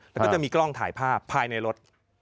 แล้วก็จะมีกล้องถ่ายภาพภายในรถ